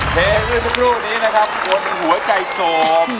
เพลงนี้นะครับกวนหัวใจสม